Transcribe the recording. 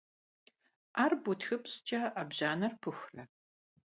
Ӏэр бутхыпщӀкӀэ, Ӏэбжьанэр пыхурэ?